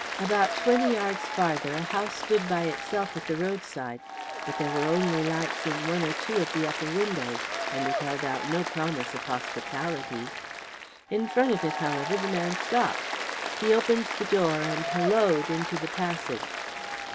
About twenty yards farther a house stood by itself at the roadside, but there were only lights in one or two of the upper windows, and it held out no promise of hospitality. In front of it, however, the man stopped; he opened the door and halloaed into the passage.